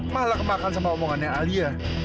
malah kemakan sama omongannya alia